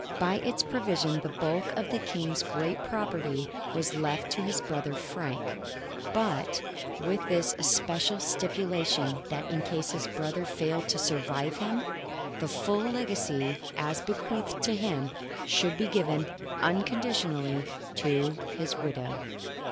By its provisions the bulk of the King's great property was left to his brother Frank, but with this especial stipulation that in case his brother failed to survive him, the full legacy as bequeathed to him should be given unconditionally to his widow.